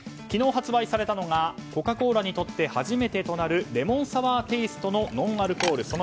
昨日発売されたのがコカ・コーラにとって初めてとなるレモンサワーテイストのノンアルコール